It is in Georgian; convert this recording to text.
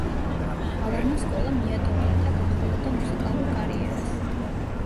ალანმა სკოლა მიატოვა, რათა გაჰყოლოდა მუსიკალურ კარიერას.